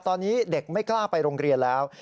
ตอนนี้เด็กไม่กล้าไปโรงเรียนแล้ว